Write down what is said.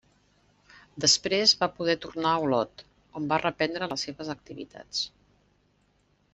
Després va poder tornar a Olot, on va reprendre les seves activitats.